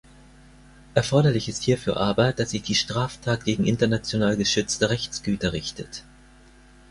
Erforderlich ist hierfür aber, dass sich die Straftat gegen international geschützte Rechtsgüter richtet.